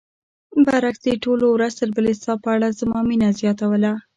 برعکس دې ټولو ورځ تر بلې ستا په اړه زما مینه زیاتوله.